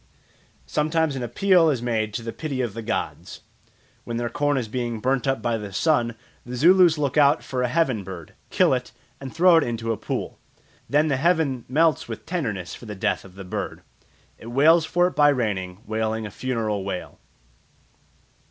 Sometimes an appeal is made to the pity of the gods. When their corn is being burnt up by the sun, the Zulus look out for a "heaven bird," kill it, and throw it into a pool. Then the heaven melts with tenderness for the death of the bird; "it wails for it by raining, wailing a funeral wail."